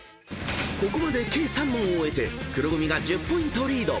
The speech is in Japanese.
［ここまで計３問を終えて黒組が１０ポイントリード］